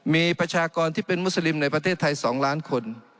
มีประชากรที่เป็นมุสลิมในประเทศไทย๒ล้านคน